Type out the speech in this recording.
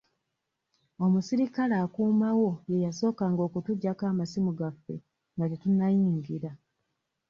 Omusirikale akuuma wo ye yasookanga okutuggyako amasimu gaffe nga tetunnayingira.